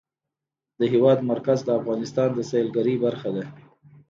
د هېواد مرکز د افغانستان د سیلګرۍ برخه ده.